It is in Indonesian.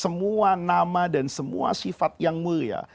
semua nama dan semua sifat yang mulia